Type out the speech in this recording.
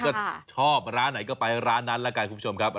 ก็ชอบร้านไหนก็ไปร้านนั้นแล้วกันคุณผู้ชมครับ